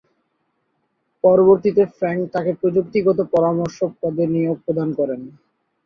পরবর্তীতে ফ্র্যাঙ্ক তাঁকে প্রযুক্তিগত পরামর্শক পদে নিয়োগ প্রদান করেন।